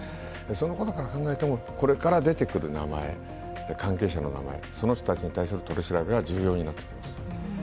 そのことから考えても、これから出てくる関係者の名前、その人たちに対する取り調べが重要になってきます。